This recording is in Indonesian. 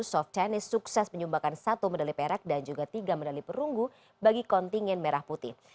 soft tennis sukses menyumbangkan satu medali perak dan juga tiga medali perunggu bagi kontingen merah putih